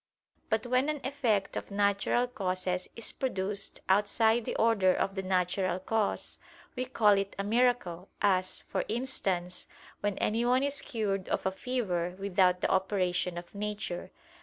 But when an effect of natural causes is produced outside the order of the natural cause, we call it a miracle, as, for instance, when anyone is cured of a fever without the operation of nature.